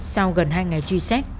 sau gần hai ngày truy xét